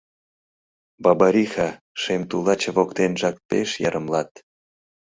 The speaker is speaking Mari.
Бабариха — шем тулаче Воктенжак пеш йырымлат: